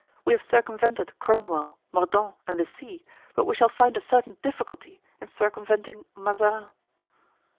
We have circumvented Cromwell, Mordaunt, and the sea, but we shall find a certain difficulty in circumventing Mazarin."